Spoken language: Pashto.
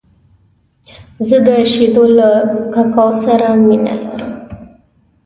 زه د شیدو له ککو سره مینه لرم .